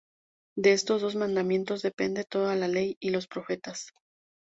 De estos dos mandamientos depende toda la Ley y los Profetas".